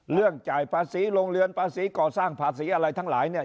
จ่ายภาษีโรงเรือนภาษีก่อสร้างภาษีอะไรทั้งหลายเนี่ย